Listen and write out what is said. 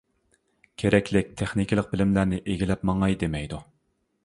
كېرەكلىك تېخنىكىلىق بىلىملەرنى ئىگىلەپ ماڭاي دېمەيدۇ.